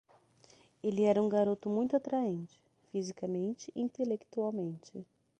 Ele era um garoto muito atraente, fisicamente e intelectualmente.